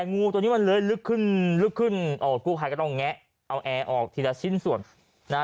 งูตัวนี้มันเลยลึกขึ้นลึกขึ้นเอาไอออกทีละชิ้นส่วนนะ